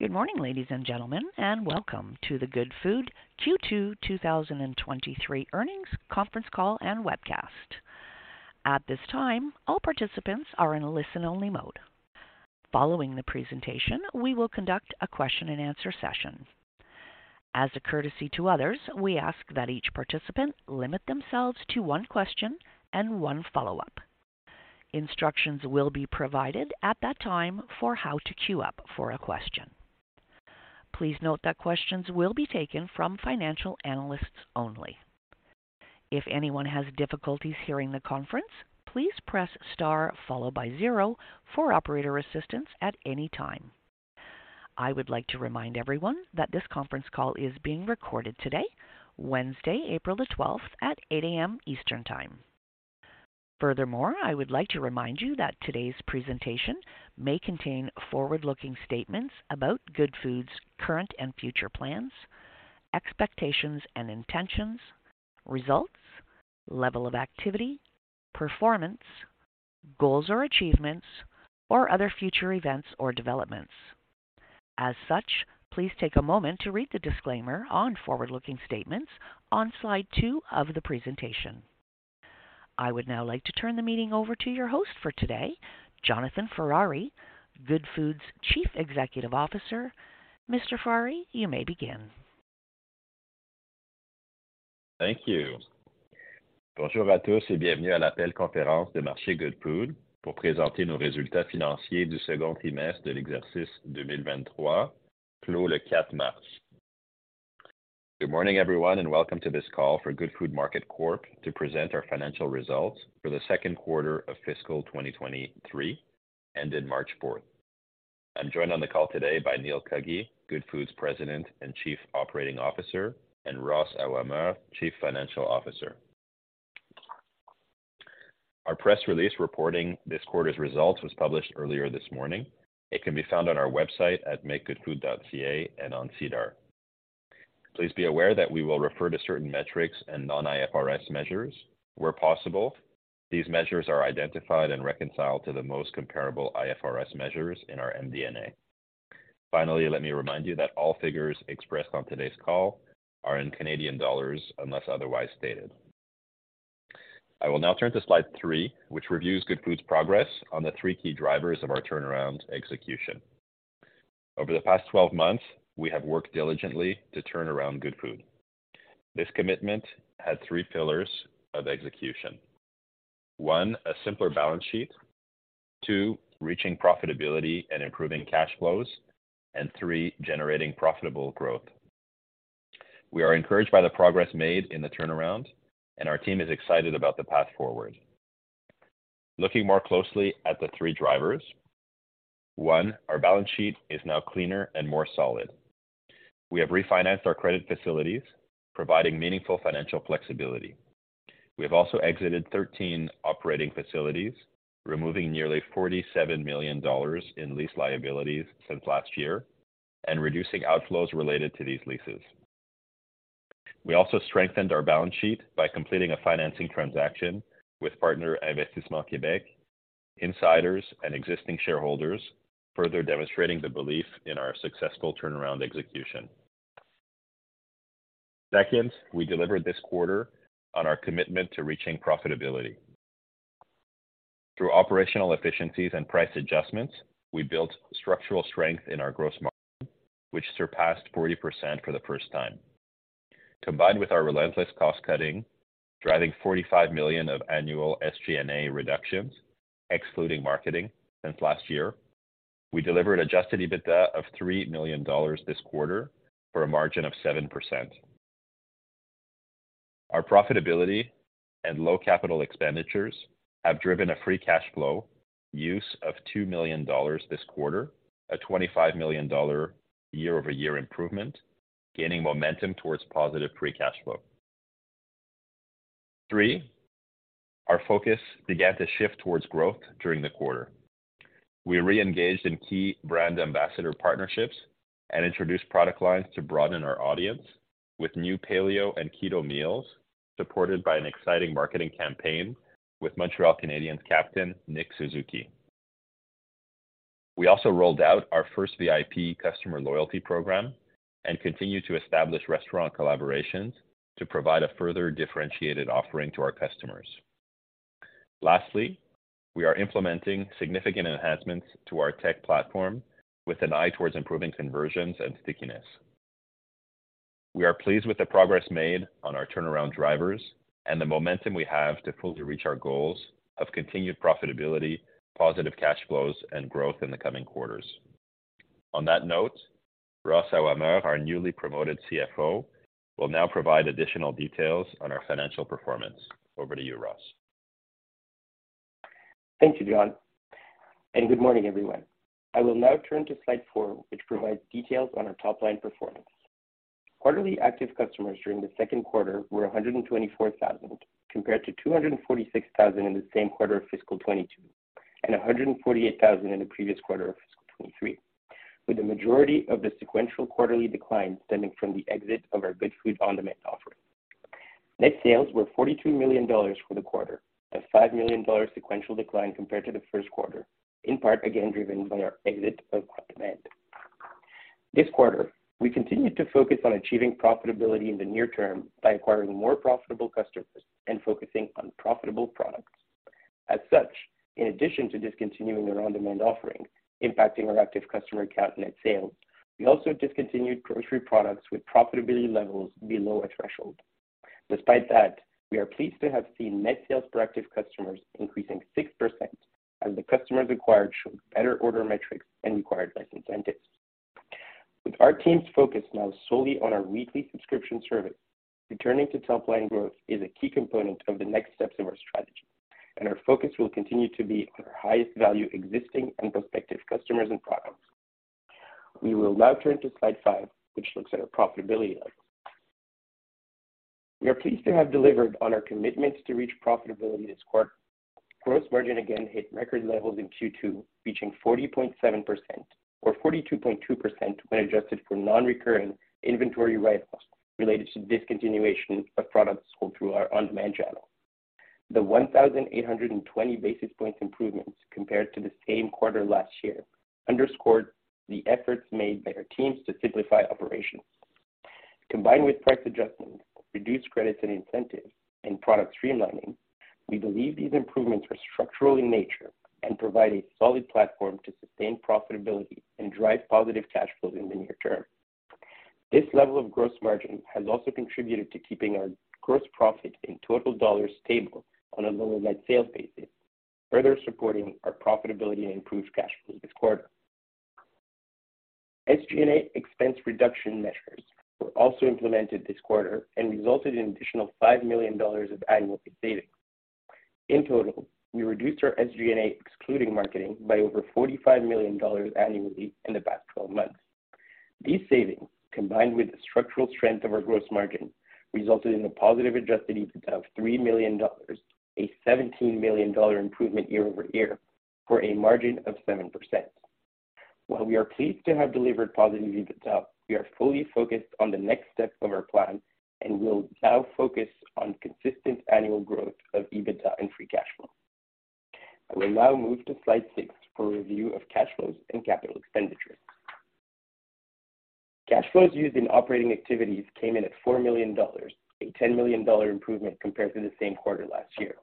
Good morning, ladies and gentlemen, and welcome to the Goodfood Q2 2023 Earnings Conference Call and Webcast. At this time, all participants are in listen-only mode. Following the presentation, we will conduct a question-and-answer session. As a courtesy to others, we ask that each participant limit themselves to one question and one follow-up. Instructions will be provided at that time for how to queue up for a question. Please note that questions will be taken from financial analysts only. If anyone has difficulties hearing the conference, please press star followed by zero for operator assistance at any time. I would like to remind everyone that this conference call is being recorded today, Wednesday, April the 12th at 8:00 A.M. Eastern Time. Furthermore, I would like to remind you that today's presentation may contain forward-looking statements about Goodfood's current and future plans, expectations and intentions, results, level of activity, performance, goals or achievements, or other future events or developments. Please take a moment to read the disclaimer on forward-looking statements on slide two of the presentation. I would now like to turn the meeting over to your host for today, Jonathan Ferrari, Goodfood's Chief Executive Officer. Mr. Ferrari, you may begin. Thank you. Bonjour à tous et bienvenue à l'appel conférence de marché Goodfood pour présenter nos résultats financiers du second trimestre de l'exercice 2023, clos le quatre mars. Good morning, everyone, and welcome to this call for Goodfood Market Corp to present our financial results for the second quarter of fiscal 2023 ended March fourth. I'm joined on the call today by Neil Cuggy, Goodfood's President and Chief Operating Officer, and Roslane Aouameur, Chief Financial Officer. Our press release reporting this quarter's results was published earlier this morning. It can be found on our website at makegoodfood.ca and on SEDAR. Please be aware that we will refer to certain metrics and non-IFRS measures where possible. These measures are identified and reconciled to the most comparable IFRS measures in our MD&A. Let me remind you that all figures expressed on today's call are in Canadian dollars, unless otherwise stated. I will now turn to slide three, which reviews Goodfood's progress on the three key drivers of our turnaround execution. Over the past 12 months, we have worked diligently to turn around Goodfood. This commitment had three pillars of execution. One, a simpler balance sheet. Two, reaching profitability and improving cash flows. Three, generating profitable growth. We are encouraged by the progress made in the turnaround, and our team is excited about the path forward. Looking more closely at the three drivers. One, our balance sheet is now cleaner and more solid. We have refinanced our credit facilities, providing meaningful financial flexibility. We have also exited 13 operating facilities, removing nearly 47 million dollars in lease liabilities since last year and reducing outflows related to these leases. We also strengthened our balance sheet by completing a financing transaction with partner Investissement Québec, insiders, and existing shareholders, further demonstrating the belief in our successful turnaround execution. Second, we delivered this quarter on our commitment to reaching profitability. Through operational efficiencies and price adjustments, we built structural strength in our gross margin, which surpassed 40% for the first time. Combined with our relentless cost-cutting, driving 45 million of annual SG&A reductions, excluding marketing since last year, we delivered Adjusted EBITDA of 3 million dollars this quarter for a margin of 7%. Our profitability and low capital expenditures have driven a free cash flow use of 2 million dollars this quarter, a 25 million dollar year-over-year improvement, gaining momentum towards positive free cash flow. Three, our focus began to shift towards growth during the quarter. We re-engaged in key brand ambassador partnerships and introduced product lines to broaden our audience with new paleo and keto meals, supported by an exciting marketing campaign with Montreal Canadiens captain Nick Suzuki. We also rolled out our first VIP customer loyalty program and continued to establish restaurant collaborations to provide a further differentiated offering to our customers. Lastly, we are implementing significant enhancements to our tech platform with an eye towards improving conversions and stickiness. We are pleased with the progress made on our turnaround drivers and the momentum we have to fully reach our goals of continued profitability, positive cash flows, and growth in the coming quarters. On that note, Roslane Aouameur, our newly promoted CFO, will now provide additional details on our financial performance. Over to you, Ros. Thank you, John. Good morning, everyone. I will now turn to slide four, which provides details on our top-line performance. Quarterly active customers during the second quarter were 124,000 compared to 246,000 in the same quarter of fiscal 2022 and 148,000 in the previous quarter of fiscal 2023, with the majority of the sequential quarterly decline stemming from the exit of our Goodfood On-Demand offering. Net sales were 42 million dollars for the quarter, a 5 million dollar sequential decline compared to the first quarter, in part again driven by our exit of On-Demand. This quarter, we continued to focus on achieving profitability in the near term by acquiring more profitable customers and focusing on profitable products. As such, in addition to discontinuing our On-Demand offering, impacting our active customer account net sales, we also discontinued grocery products with profitability levels below a threshold. Despite that, we are pleased to have seen net sales for active customers increasing 6% as the customers acquired showed better order metrics and required less incentives. With our team's focus now solely on our weekly subscription service, returning to top line growth is a key component of the next steps of our strategy, and our focus will continue to be on our highest value existing and prospective customers and products. We will now turn to slide five, which looks at our profitability levels. We are pleased to have delivered on our commitments to reach profitability this quarter. Gross margin again hit record levels in Q2, reaching 40.7% or 42.2% when adjusted for non-recurring inventory write-offs related to discontinuation of products sold through our on-demand channel. The 1,820 basis points improvements compared to the same quarter last year underscored the efforts made by our teams to simplify operations. Combined with price adjustments, reduced credits and incentives, and product streamlining, we believe these improvements are structural in nature and provide a solid platform to sustain profitability and drive positive cash flow in the near term. This level of gross margin has also contributed to keeping our gross profit in total dollars stable on a lower net sales basis, further supporting our profitability and improved cash flow this quarter. SG&A expense reduction measures were also implemented this quarter and resulted in additional 5 million dollars of annual savings. In total, we reduced our SG&A excluding marketing by over 45 million dollars annually in the past 12 months. These savings, combined with the structural strength of our gross margin, resulted in a positive Adjusted EBITDA of 3 million dollars, a 17 million dollar improvement year-over-year, for a margin of 7%. While we are pleased to have delivered positive EBITDA, we are fully focused on the next steps of our plan and will now focus on consistent annual growth of EBITDA and free cash flow. I will now move to slide six for a review of cash flows and capital expenditures. Cash flows used in operating activities came in at 4 million dollars, a 10 million dollar improvement compared to the same quarter last year.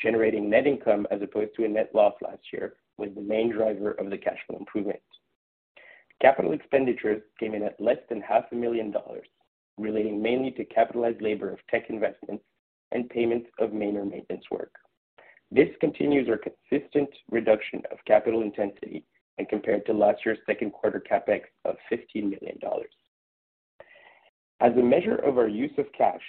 Generating net income as opposed to a net loss last year was the main driver of the cash flow improvements. Capital expenditures came in at less than $500,000, relating mainly to capitalized labor of tech investments and payments of main or maintenance work. This continues our consistent reduction of capital intensity and compared to last year's second quarter CapEx of 15 million dollars. As a measure of our use of cash,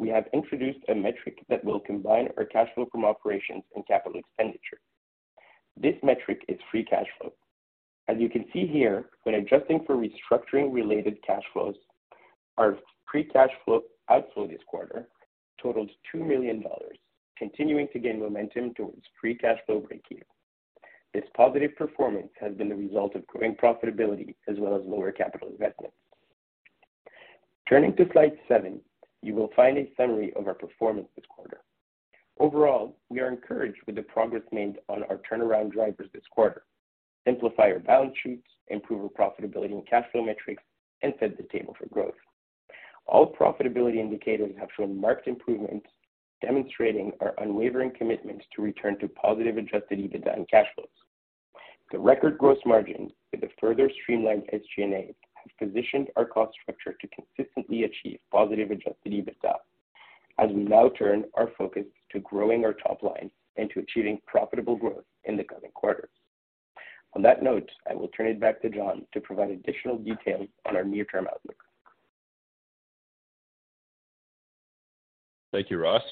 we have introduced a metric that will combine our cash flow from operations and capital expenditure. This metric is free cash flow. As you can see here, when adjusting for restructuring related cash flows, our free cash flow outflow this quarter totaled 2 million dollars, continuing to gain momentum towards free cash flow breakeven. This positive performance has been the result of growing profitability as well as lower capital investments. Turning to slide seven, you will find a summary of our performance this quarter. Overall, we are encouraged with the progress made on our turnaround drivers this quarter. Simplify our balance sheets, improve our profitability and cash flow metrics, and set the table for growth. All profitability indicators have shown marked improvements, demonstrating our unwavering commitment to return to positive Adjusted EBITDA and cash flows. The record gross margin with a further streamlined SG&A has positioned our cost structure to consistently achieve positive Adjusted EBITDA as we now turn our focus to growing our top line and to achieving profitable growth in the coming quarters. I will turn it back to John to provide additional details on our near-term outlook. Thank you, Ros.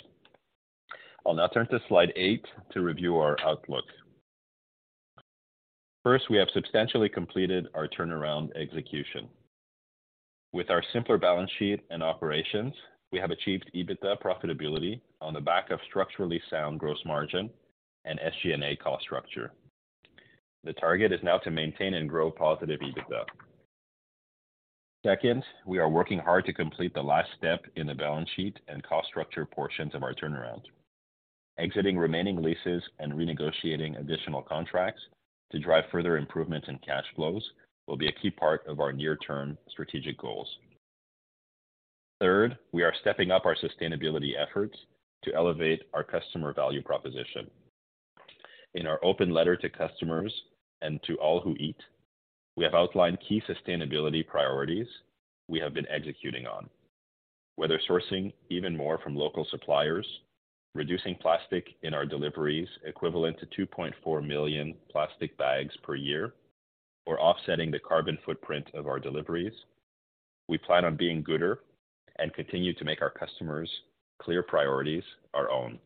I'll now turn to slide eight to review our outlook. First, we have substantially completed our turnaround execution. With our simpler balance sheet and operations, we have achieved EBITDA profitability on the back of structurally sound gross margin and SG&A cost structure. The target is now to maintain and grow positive EBITDA. Second, we are working hard to complete the last step in the balance sheet and cost structure portions of our turnaround. Exiting remaining leases and renegotiating additional contracts to drive further improvements in cash flows will be a key part of our near-term strategic goals. Third, we are stepping up our sustainability efforts to elevate our customer value proposition. In our open letter to customers and to all who eat, we have outlined key sustainability priorities we have been executing on. Whether sourcing even more from local suppliers, reducing plastic in our deliveries equivalent to 2.4 million plastic bags per year, or offsetting the carbon footprint of our deliveries, we plan on being gooder and continue to make our customers' clear priorities our own.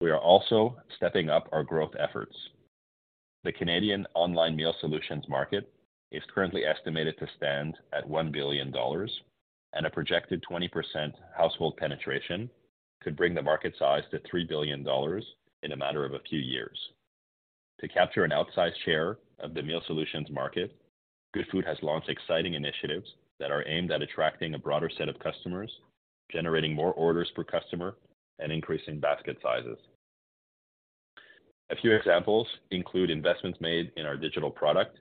We are also stepping up our growth efforts. The Canadian online meal solutions market is currently estimated to stand at 1 billion dollars and a projected 20% household penetration could bring the market size to 3 billion dollars in a matter of a few years. To capture an outsized share of the meal solutions market, Goodfood has launched exciting initiatives that are aimed at attracting a broader set of customers, generating more orders per customer, and increasing basket sizes. A few examples include investments made in our digital product,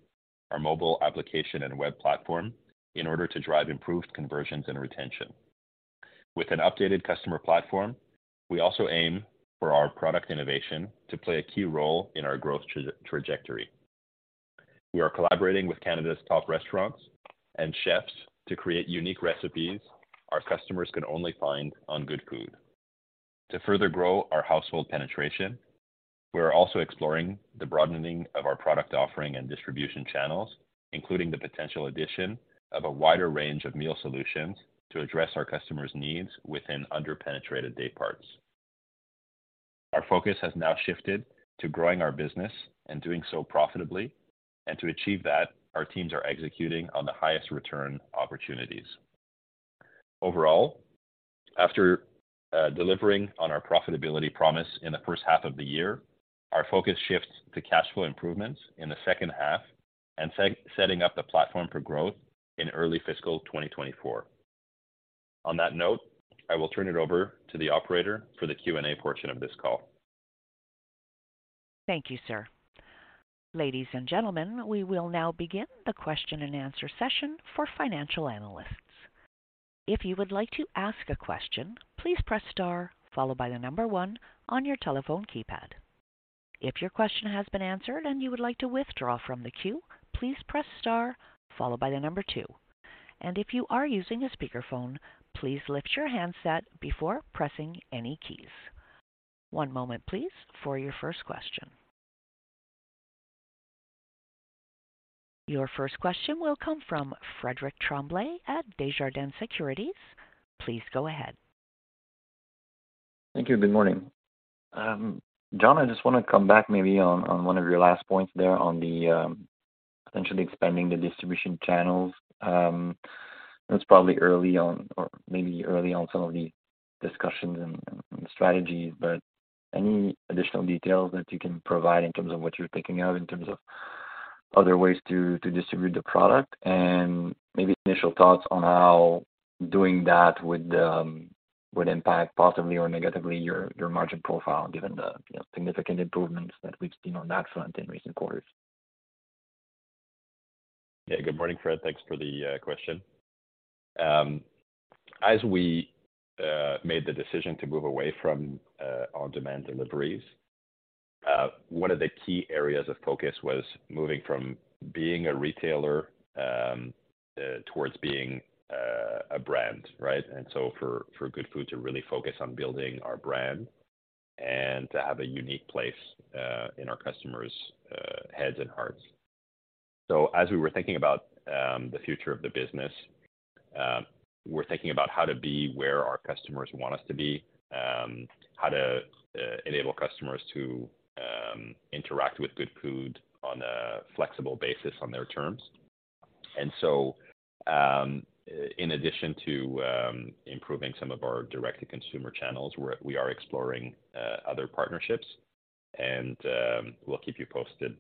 our mobile application, and web platform in order to drive improved conversions and retention. With an updated customer platform, we also aim for our product innovation to play a key role in our growth trajectory. We are collaborating with Canada's top restaurants and chefs to create unique recipes our customers can only find on Goodfood. To further grow our household penetration, we are also exploring the broadening of our product offering and distribution channels, including the potential addition of a wider range of meal solutions to address our customers' needs within under-penetrated day parts. Our focus has now shifted to growing our business and doing so profitably. To achieve that, our teams are executing on the highest return opportunities. Overall, after delivering on our profitability promise in the first half of the year, our focus shifts to cash flow improvements in the second half and setting up the platform for growth in early fiscal 2024. On that note, I will turn it over to the operator for the Q&A portion of this call. Thank you, sir. Ladies and gentlemen, we will now begin the question-and-answer session for financial analysts. If you would like to ask a question, please press star followed by one on your telephone keypad. If your question has been answered and you would like to withdraw from the queue, please press star followed by one. If you are using a speakerphone, please lift your handset before pressing any keys. One moment please, for your first question. Your first question will come from Frédéric Tremblay at Desjardins Securities. Please go ahead. Thank you. Good morning. John, I just wanna come back maybe on one of your last points there on the potentially expanding the distribution channels. It's probably early on or maybe early on some of the discussions and strategies, but any additional details that you can provide in terms of what you're thinking of in terms of other ways to distribute the product? Maybe initial thoughts on how doing that would impact positively or negatively your margin profile given the, you know, significant improvements that we've seen on that front in recent quarters. Yeah. Good morning, Fréd. Thanks for the question. As we made the decision to move away from on-demand deliveries, one of the key areas of focus was moving from being a retailer towards being a brand, right? For Goodfood to really focus on building our brand and to have a unique place in our customers' heads and hearts. As we were thinking about the future of the business, we're thinking about how to be where our customers want us to be, how to enable customers to interact with Goodfood on a flexible basis on their terms. In addition to improving some of our direct-to-consumer channels, we are exploring other partnerships, and we'll keep you posted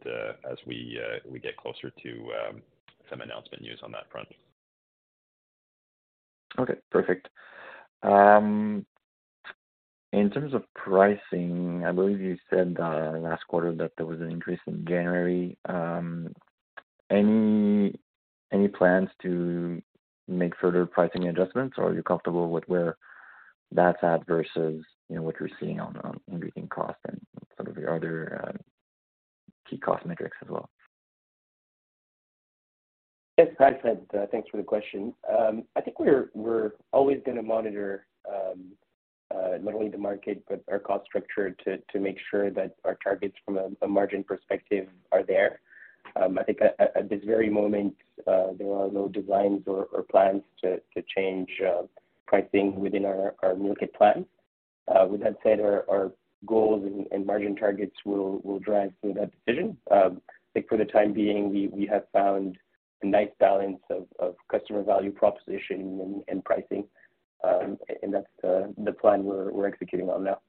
as we get closer to some announcement news on that front. Okay, perfect. In terms of pricing, I believe you said last quarter that there was an increase in January. Any plans to make further pricing adjustments, or are you comfortable with where that's at versus, you know, what you're seeing on increasing costs and some of your other key cost metrics as well? Yes. Hi, Fréd. Thanks for the question. I think we're always gonna monitor not only the market but our cost structure to make sure that our targets from a margin perspective are there. I think at this very moment, there are no designs or plans to change pricing within our meal kit plan. With that said, our goals and margin targets will drive through that decision. I think for the time being, we have found a nice balance of customer value proposition and pricing. That's the plan we're executing on now.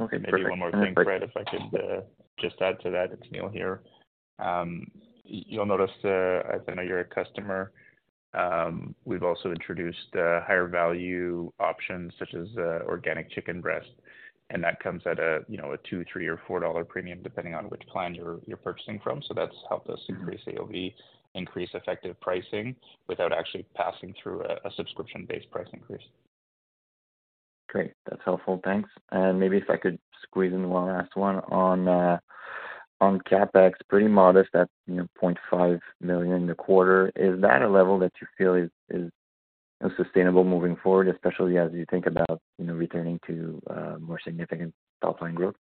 Okay. Perfect. Maybe one more thing, Fréd, if I could just add to that. It's Neil here. You'll notice, as I know you're a customer, we've also introduced higher value options such as organic chicken breast, and that comes at a, you know, a 2, 3, or 4 dollar premium depending on which plan you're purchasing from. That's helped us increase AOV, increase effective pricing without actually passing through a subscription-based price increase. Great. That's helpful. Thanks. Maybe if I could squeeze in one last one on CapEx. Pretty modest at, you know, 0.5 million a quarter. Is that a level that you feel is sustainable moving forward, especially as you think about, you know, returning to, more significant top-line growth?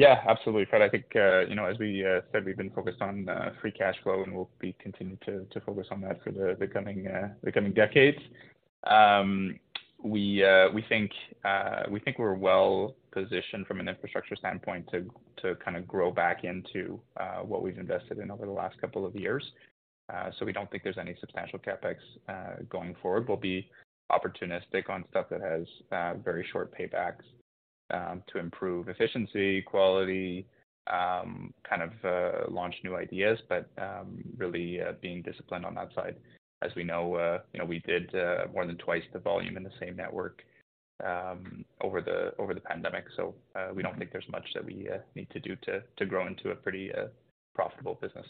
Yeah, absolutely, Fréd. I think, you know, as we said, we've been focused on free cash flow, and we'll be continuing to focus on that for the coming decades. We think we're well positioned from an infrastructure standpoint to kind of grow back into what we've invested in over the last couple of years. We don't think there's any substantial CapEx going forward. We'll be opportunistic on stuff that has very short paybacks to improve efficiency, quality, kind of launch new ideas. Really being disciplined on that side. As we know, you know, we did more than twice the volume in the same network over the pandemic. We don't think there's much that we need to do to grow into a pretty, profitable business.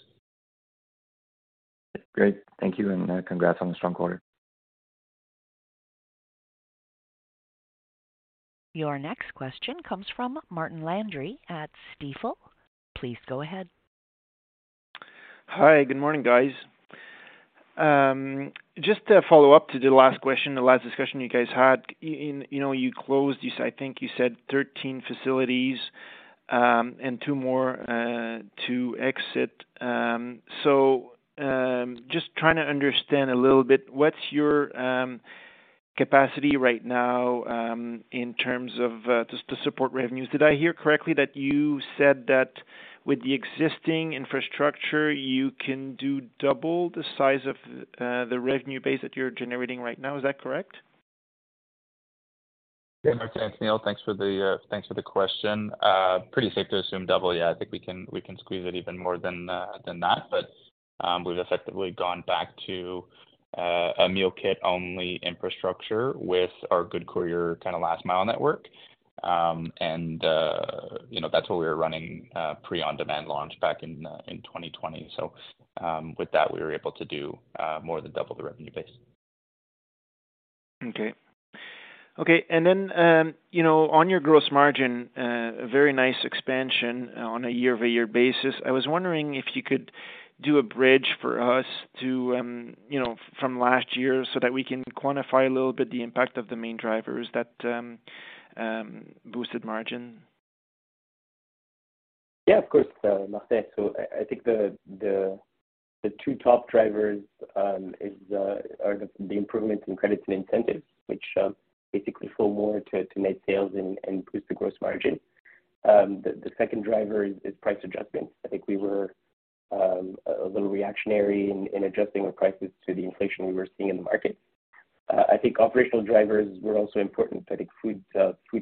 Great. Thank you. Congrats on the strong quarter. Your next question comes from Martin Landry at Stifel. Please go ahead. Hi. Good morning, guys. Just a follow-up to the last question, the last discussion you guys had. In, you know, you closed, I think you said 13 facilities, and two more, to exit. Just trying to understand a little bit, what's your capacity right now, in terms of, just to support revenues? Did I hear correctly that you said that with the existing infrastructure, you can do double the size of, the revenue base that you're generating right now? Is that correct? Yeah. Martin, it's Neil. Thanks for the thanks for the question. Pretty safe to assume double. Yeah. I think we can, we can squeeze it even more than than that. We've effectively gone back to a meal kit only infrastructure with our Goodfood Courier kind of last-mile network. And, you know, that's where we were running pre On-Demand launch back in 2020. With that, we were able to do more than double the revenue base. Okay. Okay. Then, you know, on your gross margin, a very nice expansion on a year-over-year basis. I was wondering if you could do a bridge for us to, you know, from last year so that we can quantify a little bit the impact of the main drivers that boosted margin. Yeah, of course, Martin. I think the two top drivers are the improvements in credits and incentives, which basically flow more to net sales and boost the gross margin. The second driver is price adjustments. I think we were a little reactionary in adjusting our prices to the inflation we were seeing in the market. I think operational drivers were also important. I think food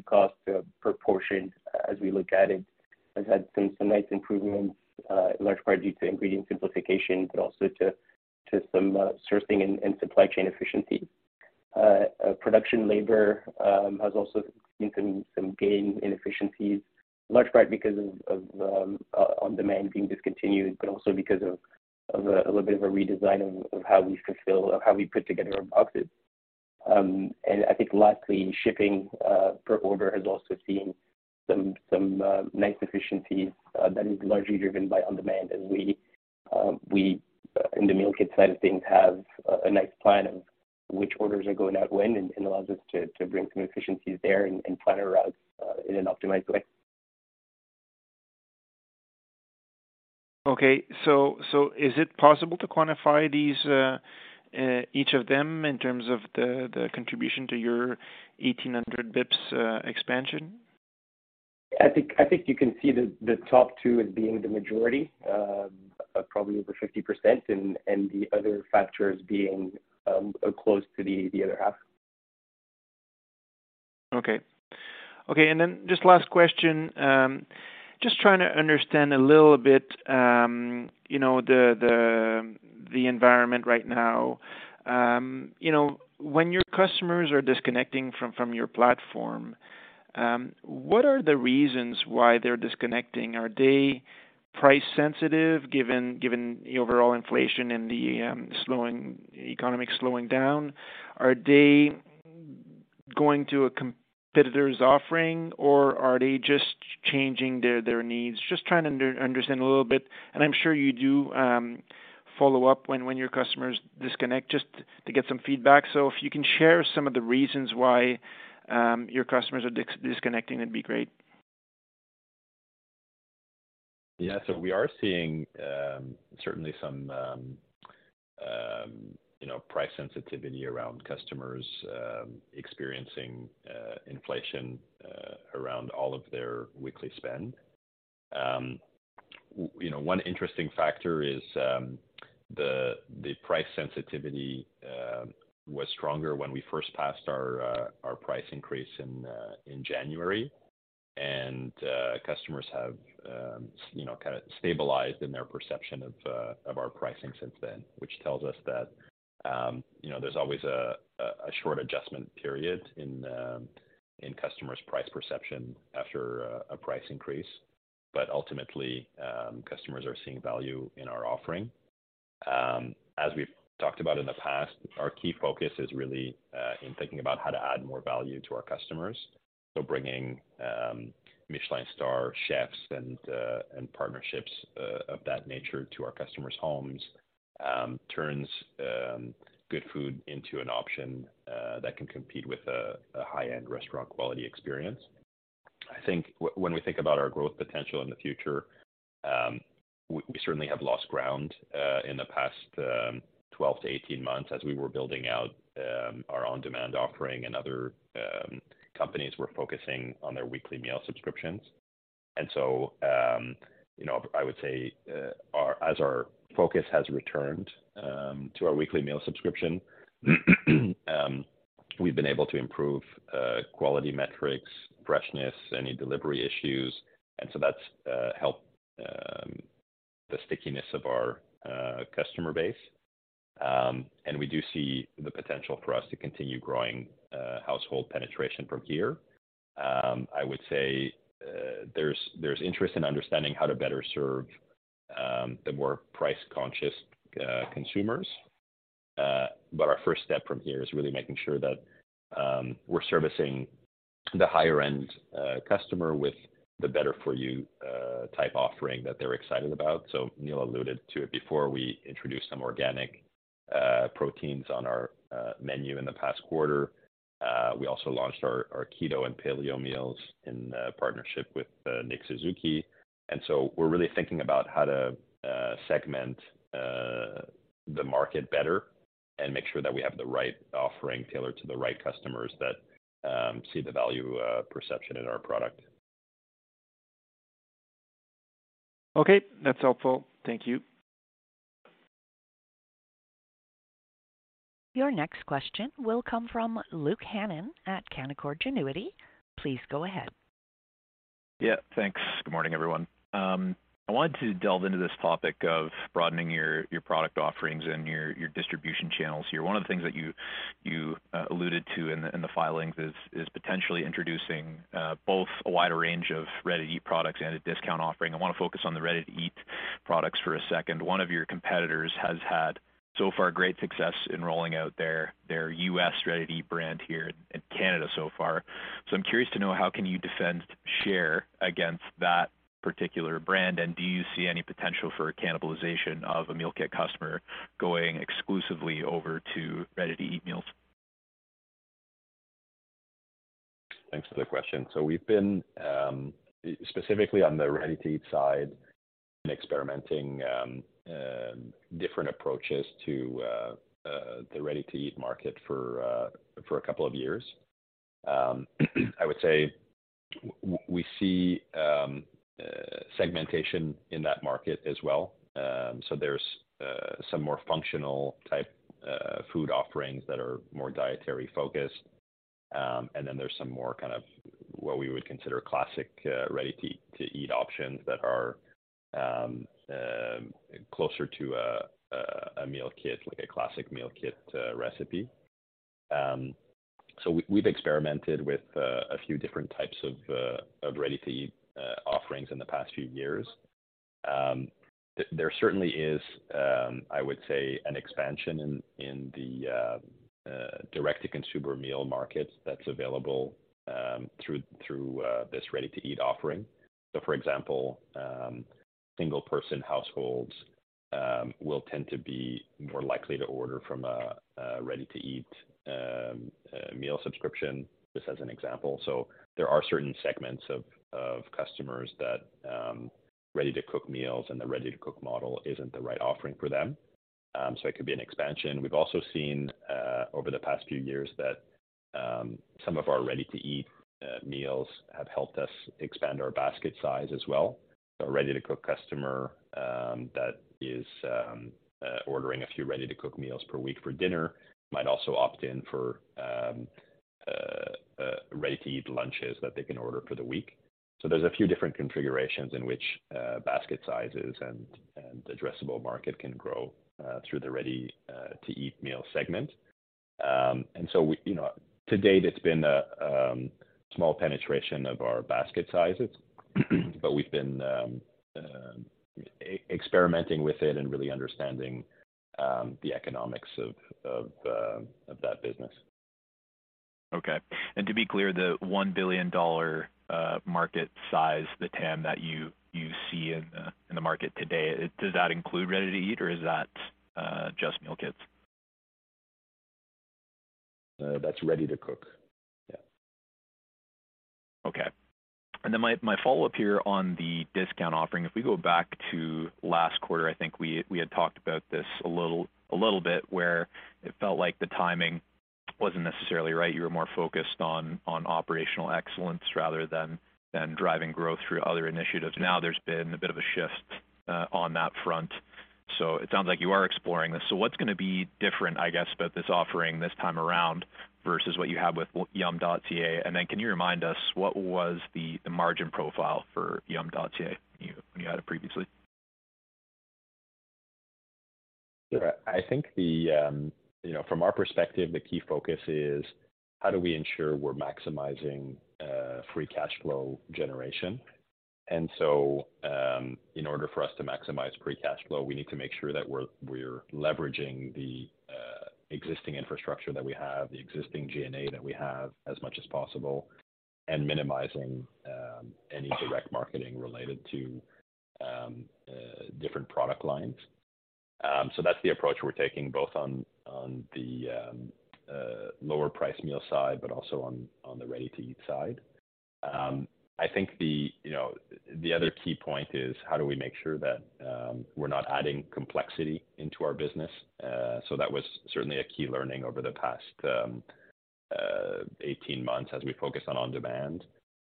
costs, proportioned as we look at it, has had some nice improvements in large part due to ingredient simplification, but also to some sourcing and supply chain efficiency. Production labor has also seen some gain in efficiencies, large part because of On-Demand being discontinued, but also because of a little bit of a redesign of how we fulfill how we put together our boxes. I think lastly, shipping per order has also seen some nice efficiencies that is largely driven by On-Demand as we in the meal kit side of things, have a nice plan of which orders are going out when, and allows us to bring some efficiencies there and plan our routes in an optimized way. Okay. Is it possible to quantify these, each of them in terms of the contribution to your 1,800 basis points expansion? I think you can see the top two as being the majority, probably over 50% and the other factors being, close to the other half. Okay. Okay. Just last question, just trying to understand a little bit, you know, the, the environment right now. You know, when your customers are disconnecting from your platform, what are the reasons why they're disconnecting? Are they price sensitive given the overall inflation and the economy slowing down? Are they going to a competitor's offering or are they just changing their needs? Just trying to understand a little bit, and I'm sure you do, follow up when your customers disconnect just to get some feedback. If you can share some of the reasons why, your customers are disconnecting, it'd be great. Yeah. We are seeing, certainly some, you know, price sensitivity around customers experiencing inflation around all of their weekly spend. You know, one interesting factor is the price sensitivity was stronger when we first passed our price increase in January. Customers have, you know, kinda stabilized in their perception of our pricing since then, which tells us that, you know, there's always a short adjustment period in customers' price perception after a price increase. Ultimately, customers are seeing value in our offering. As we've talked about in the past, our key focus is really in thinking about how to add more value to our customers. Bringing Michelin star chefs and partnerships of that nature to our customers' homes turns Goodfood into an option that can compete with high-end restaurant quality experience. I think when we think about our growth potential in the future, we certainly have lost ground in the past 12 to 18 months as we were building out our On-Demand offering and other companies were focusing on their weekly meal subscriptions. You know, I would say as our focus has returned to our weekly meal subscription, we've been able to improve quality metrics, freshness, any delivery issues. That's helped the stickiness of our customer base. We do see the potential for us to continue growing household penetration from here. I would say, there's interest in understanding how to better serve the more price-conscious consumers. Our first step from here is really making sure that we're servicing the higher-end customer with the better-for-you type offering that they're excited about. Neil alluded to it before we introduced some organic proteins on our menu in the past quarter. We also launched our keto and paleo meals in partnership with Nick Suzuki. We're really thinking about how to segment the market better and make sure that we have the right offering tailored to the right customers that see the value perception in our product. Okay, that's helpful. Thank you. Your next question will come from Luke Hannan at Canaccord Genuity. Please go ahead. Thanks. Good morning, everyone. I wanted to delve into this topic of broadening your product offerings and your distribution channels here. One of the things that you alluded to in the filings is potentially introducing both a wider range of ready-to-eat products and a discount offering. I want to focus on the ready-to-eat products for a second. One of your competitors has had so far great success in rolling out their US ready-to-eat brand here in Canada so far. I'm curious to know how can you defend share against that particular brand? Do you see any potential for cannibalization of a meal kit customer going exclusively over to ready-to-eat meals? Thanks for the question. We've been specifically on the ready-to-eat side and experimenting different approaches to the ready-to-eat market for a couple of years. I would say we see segmentation in that market as well. There's some more functional type food offerings that are more dietary-focused. There's some more kind of what we would consider classic ready to eat options that are closer to a meal kit, like a classic meal kit recipe. We've experimented with a few different types of ready-to-eat offerings in the past few years. There certainly is, I would say an expansion in the direct-to-consumer meal market that's available through this ready-to-eat offering. For example, single-person households will tend to be more likely to order from a ready-to-eat meal subscription, just as an example. There are certain segments of customers that ready-to-cook meals and the ready-to-cook model isn't the right offering for them. It could be an expansion. We've also seen over the past few years that some of our ready-to-eat meals have helped us expand our basket size as well. A ready-to-cook customer that is ordering a few ready-to-cook meals per week for dinner might also opt in for ready-to-eat lunches that they can order for the week. There's a few different configurations in which basket sizes and addressable market can grow through the ready to eat meal segment. We, you know, to date, it's been a small penetration of our basket sizes, but we've been experimenting with it and really understanding the economics of that business. Okay. To be clear, the 1 billion dollar market size, the TAM that you see in the market today, does that include ready-to-eat, or is that just meal kits? That's ready-to-cook. Yeah. Okay. My follow-up here on the discount offering, if we go back to last quarter, I think we had talked about this a little bit where it felt like the timing wasn't necessarily right. You were more focused on operational excellence rather than driving growth through other initiatives. There's been a bit of a shift on that front. It sounds like you are exploring this. What's gonna be different, I guess, about this offering this time around versus what you have with Yumm.ca? Can you remind us what was the margin profile for Yumm.ca when you had it previously? Sure. I think the, you know, from our perspective, the key focus is how do we ensure we're maximizing free cash flow generation. In order for us to maximize free cash flow, we need to make sure that we're leveraging the existing infrastructure that we have, the existing G&A that we have as much as possible, and minimizing any direct marketing related to different product lines. That's the approach we're taking both on the lower priced meal side, but also on the ready-to-eat side. I think the, you know, the other key point is how do we make sure that we're not adding complexity into our business? That was certainly a key learning over the past 18 months as we focus on On-Demand,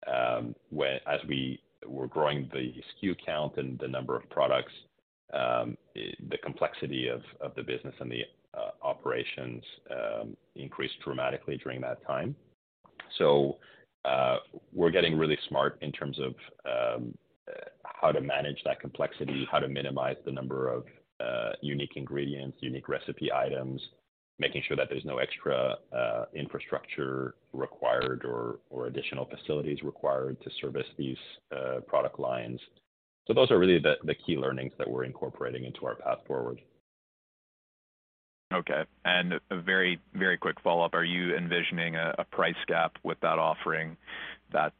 as we were growing the SKU count and the number of products, the complexity of the business and the operations increased dramatically during that time. We're getting really smart in terms of how to manage that complexity, how to minimize the number of unique ingredients, unique recipe items, making sure that there's no extra infrastructure required or additional facilities required to service these product lines. Those are really the key learnings that we're incorporating into our path forward. Okay. A very quick follow-up. Are you envisioning a price gap with that offering that's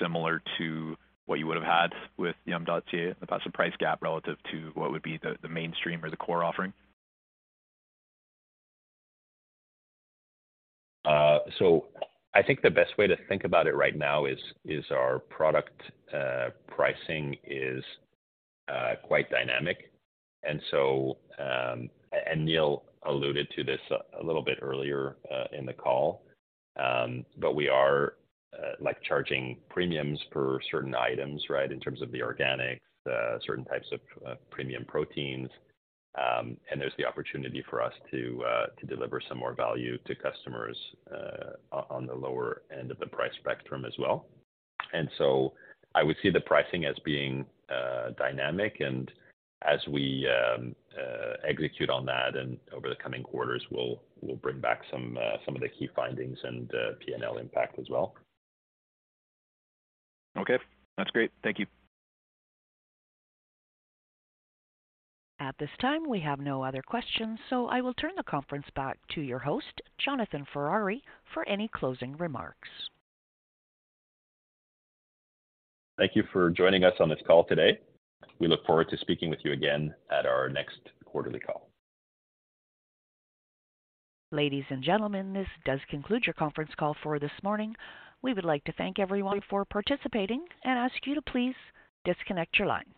similar to what you would have had with Yumm.ca? That's a price gap relative to what would be the mainstream or the core offering. I think the best way to think about it right now is our product pricing is quite dynamic. Neil alluded to this a little bit earlier in the call. We are, like, charging premiums for certain items, right? In terms of the organics, certain types of premium proteins. There's the opportunity for us to deliver some more value to customers on the lower end of the price spectrum as well. I would see the pricing as being dynamic. As we execute on that and over the coming quarters, we'll bring back some of the key findings and P&L impact as well. Okay. That's great. Thank you. At this time, we have no other questions, so I will turn the conference back to your host, Jonathan Ferrari, for any closing remarks. Thank you for joining us on this call today. We look forward to speaking with you again at our next quarterly call. Ladies and gentlemen, this does conclude your conference call for this morning. We would like to thank everyone for participating and ask you to please disconnect your lines.